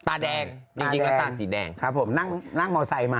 ตาแดงจริงแล้วตาสีแดงครับผมนั่งมอไซค์มา